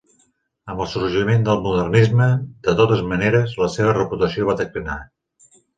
Amb el sorgiment del Modernisme, de totes maneres, la seva reputació va declinar.